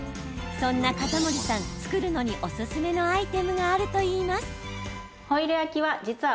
そんな風森さん作るのにおすすめのアイテムがあるといいます。